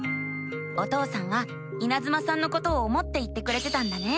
お父さんはいなずまさんのことを思って言ってくれてたんだね。